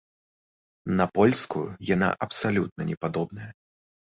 На польскую яна абсалютна не падобная.